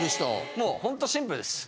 もうほんとシンプルです。